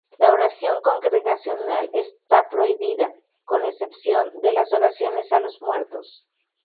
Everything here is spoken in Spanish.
La oración congregacional está prohibida, con excepción de las "Oraciones a los Muertos".